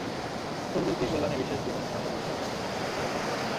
তথ্যপ্রযুক্তির কল্যাণে বিশ্বের যেকোনো স্থানে বসেই এখন চিকিৎসাসেবা গ্রহণ করা সম্ভব।